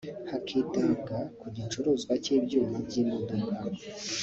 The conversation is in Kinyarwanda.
hakitabwa ku gicuruzwa cy’ibyuma by’imodoka